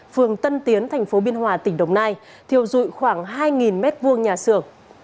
phường tân tiến tp biên hòa tỉnh đồng nai thiêu dụi khoảng hai m hai nhà xưởng